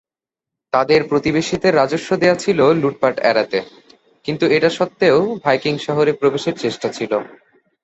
তাদের প্রতিবেশীদের রাজস্ব দেওয়া ছিল লুটপাট এড়াতে, কিন্তু এটা সত্ত্বেও, ভাইকিং শহরে প্রবেশের চেষ্টা ছিল।